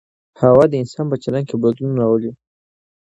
هوا د انسان په چلند کي بدلون راولي.